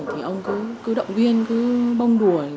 thì ông cứ động viên cứ bông đùa